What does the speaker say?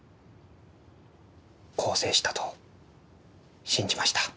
更生したと信じました。